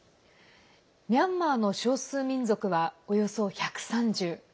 ミャンマーの少数民族はおよそ１３０。